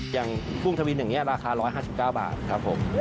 กุ้งทวินอย่างนี้ราคา๑๕๙บาทครับผม